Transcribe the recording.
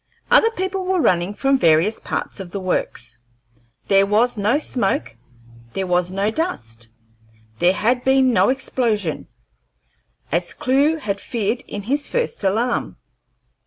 Other people were running from various parts of the Works. There was no smoke; there was no dust. There had been no explosion, as Clewe had feared in his first alarm.